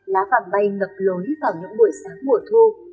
lá vàng bay ngập lối vào những buổi sáng mùa thu